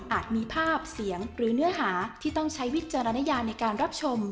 มีภาพเสียงหรือเนื้อหาที่ต้องใช้วิจารณญาในการรับชม